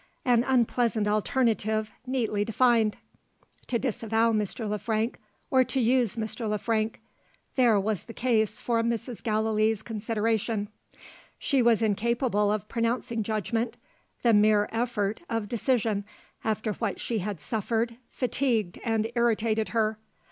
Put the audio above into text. An unpleasant alternative, neatly defined! To disavow Mr. Le Frank or to use Mr. Le Frank there was the case for Mrs. Gallilee's consideration. She was incapable of pronouncing judgment; the mere effort of decision, after what she had suffered, fatigued and irritated her.